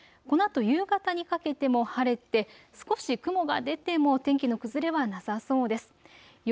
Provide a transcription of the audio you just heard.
このあと夕方にかけても晴れて少し雲が出ても天気の崩れはなさそうです。